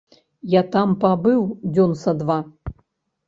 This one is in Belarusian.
Я там пабыў дзён са два.